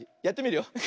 やってみるよ。